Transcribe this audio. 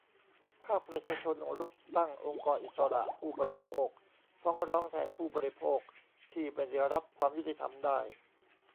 ภาคประชาชนรุกตั้ง "องค์กรอิสระผู้บริโภค" ฟ้องร้องแทนผู้บริโภคที่ไม่ได้รับความยุติธรรมได้